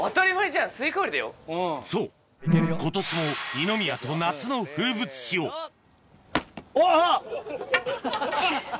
そう今年も二宮と夏の風物詩をおぉ！